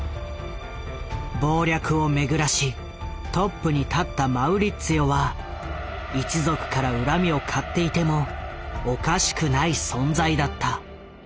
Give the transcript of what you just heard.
謀略を巡らしトップに立ったマウリッツィオは一族から恨みを買っていてもおかしくない存在だった。